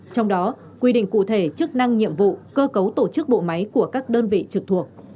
trong đó quy định cụ thể chức năng nhiệm vụ cơ cấu tổ chức bộ máy của các đơn vị trực thuộc